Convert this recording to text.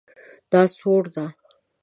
دا سوړ ده